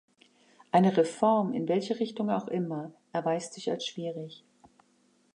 Eine Reform, in welche Richtung auch immer, erweist sich als schwierig.